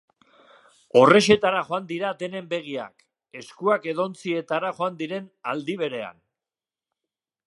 Horrexetara joan dira denen begiak, eskuak edontzietara joan diren aldi berean.